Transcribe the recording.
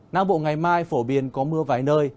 nam bộ ngày mai phổ biến có mưa vài nơi